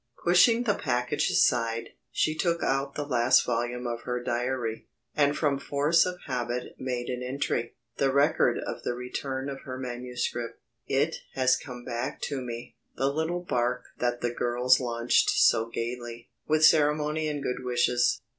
Pushing the package aside, she took out the last volume of her diary, and from force of habit made an entry, the record of the return of her manuscript. "It has come back to me, the little bark that the girls launched so gaily, with ceremony and good wishes.